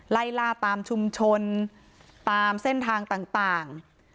ไล่ล่าตามชุมชนตามเส้นทางต่าง